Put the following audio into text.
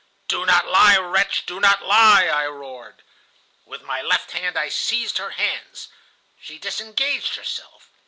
"'Do not lie, wretch. Do not lie!' I roared. "With my left hand I seized her hands. She disengaged herself.